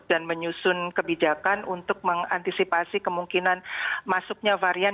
dan menyusun kebijakan untuk mengantisipasi kemungkinan masuknya varian